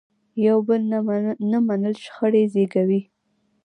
یو بل نه منل شخړې زیږوي.